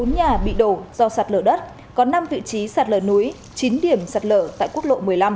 bốn nhà bị đổ do sạt lở đất có năm vị trí sạt lở núi chín điểm sạt lở tại quốc lộ một mươi năm